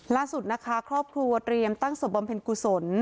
ล่าสุดนะคะครอบครัวเตรียมตั้งศพบำเพ็ญกุศล